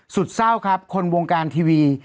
สุดเศร้าครับคนวงการทีวี